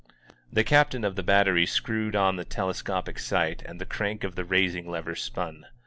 The captain of the battery screwed on the telescopic sight and the crank of the raising^lever spun.